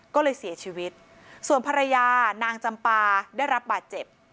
ก็เลยเสียชีวิตส่วนภรรยานางจำปาได้รับบาดเจ็บ